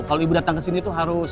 kalau ibu datang ke sini tuh harus